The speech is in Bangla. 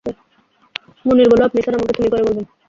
মুনির বলল, আপনি স্যার আমাকে তুমি করে বলবেন।